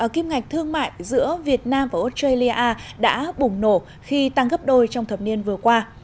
kim ngạch thương mại giữa việt nam và australia đã bùng nổ khi tăng gấp đôi trong thập niên vừa qua